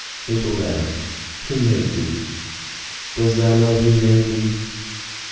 Little Lamb, who made thee? Dost thou know who made thee?